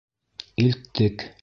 Илттек.